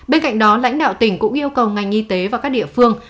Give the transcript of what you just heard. bên cạnh đó lãnh đạo tỉnh cũng yêu cầu ngành y tế và các địa phương